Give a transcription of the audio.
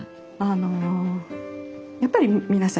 やっぱり皆さん